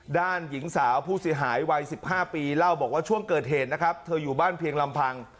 ด้านหญิงสาวผู้เสียหายวัย๑๕ปีเล่าบอกว่าช่วงเกิดเหตุนะครับเธออยู่บ้านเพียงลำพัง